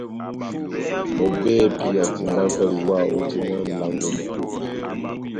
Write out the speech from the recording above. Bɔ́ bɛ́hɛ́pi na timbaka iwa ó tina nʼlango mwábu.